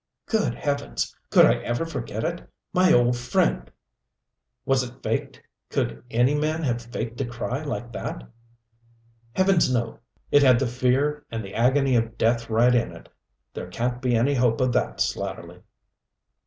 "Good Heavens! Could I ever forget it? My old friend " "Was it faked? Could any man have faked a cry like that?" "Heavens, no! It had the fear and the agony of death right in it. There can't be any hope of that, Slatterly."